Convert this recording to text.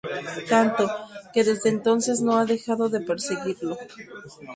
Tanto, que desde entonces no ha dejado de perseguirlo.